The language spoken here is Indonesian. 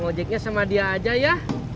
ojeknya sama dia aja ya